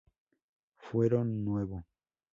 Fuero Nuevo.